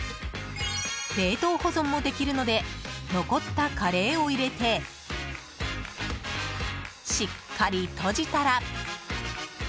冷凍保存もできるので残ったカレーを入れてしっかり閉じたら。